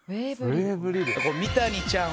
三谷ちゃん